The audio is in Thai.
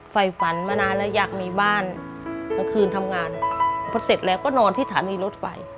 ไฟฝันมานานแล้วอยากมีบ้านกลางคืนทำงานพอเสร็จแล้วก็นอนที่สถานีรถไฟ